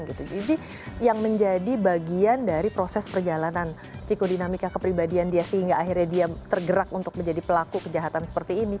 jadi yang menjadi bagian dari proses perjalanan psikodinamika kepribadian dia sehingga akhirnya dia tergerak untuk menjadi pelaku kejahatan seperti ini